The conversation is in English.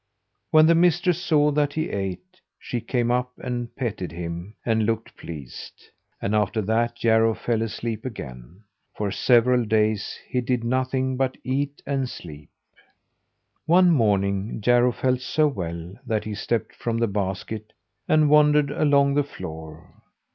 When the mistress saw that he ate, she came up and petted him, and looked pleased. After that, Jarro fell asleep again. For several days he did nothing but eat and sleep. One morning Jarro felt so well that he stepped from the basket and wandered along the floor.